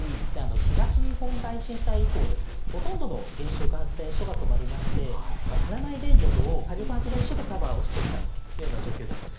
東日本大震災以降ほとんどの原子力発電所が止まりまして足らない電力を火力発電所でカバーしてきたという状況です。